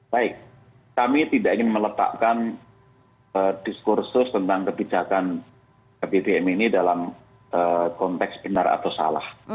baik kami tidak ingin meletakkan diskursus tentang kebijakan bbm ini dalam konteks benar atau salah